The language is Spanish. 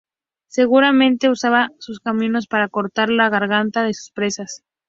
Seguramente usaba sus caninos para cortar la garganta de sus presas.